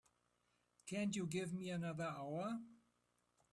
Can't you give me another hour?